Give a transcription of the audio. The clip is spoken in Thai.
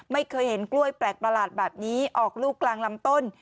ไม่เคยเห็นกล้วยแปลกประหลาดแบบนี้ออกลูกกลางลำต้น